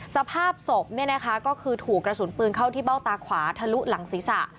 สภาพศพก็คือถูกกระสุนปืนเข้าที่เบ้าตาขวาทะลุหลังศีรษะ